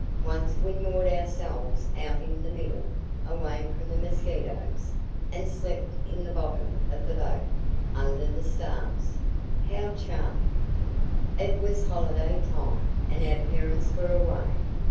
Once we moored ourselves out in the middle, away from the mosquitoes, and slept in the bottom of the boat, under the stars." "How charming!" "It was holiday time, and our parents were away.